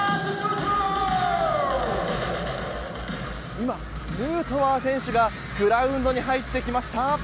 今ヌートバー選手がグラウンドに入ってきました。